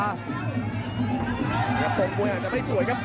นี่ครับทรงมวยอาจจะไม่สวยครับ